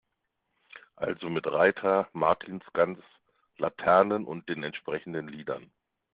Also mit Reiter, Martinsgans, Laternen und den entsprechenden Liedern.